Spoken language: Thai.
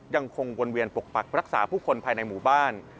ยังคงวนเวียนปกปักรักษาผู้คนภายในหมู่บ้าน